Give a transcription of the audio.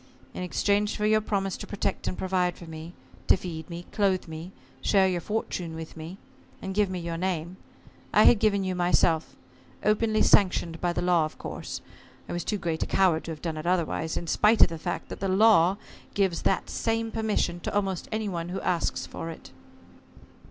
In exchange for your promise to protect and provide for me, to feed me, clothe me, share your fortune with me, and give me your name, I had given you myself, openly sanctioned by the law, of course I was too great a coward to have done it otherwise, in spite of the fact that the law gives that same permission to almost any one who asks for it."